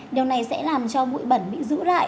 điều này sẽ làm cho bụi bẩn bị giữ lại